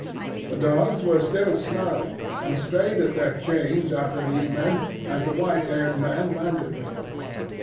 The dogs were still snarling, and strained at their chains after these men, as the white haired man landed with them.